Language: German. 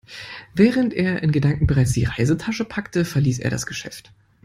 Während er in Gedanken bereits die Reisetasche packte, verließ er das Geschäft.